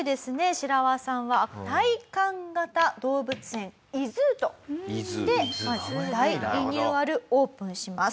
シラワさんは体感型動物園ｉＺｏｏとして大リニューアルオープンします。